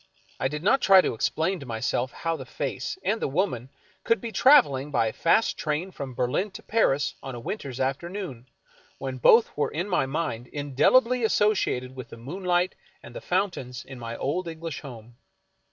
I did not try to explain to myself how the face, and the woman, could be traveling by a fast train from Ber lin to Paris on a winter's afternoon, w^hen both were in my mind indelibly associated with the moonlight and the foun tains in my own English home.